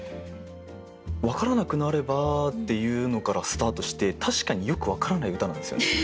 「わからなくなれば」っていうのからスタートして確かによく「わからない」歌なんですよね。